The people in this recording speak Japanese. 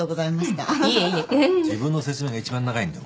自分の説明が一番長いんだ。